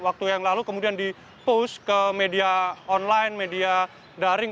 waktu yang lalu kemudian di post ke media online media daring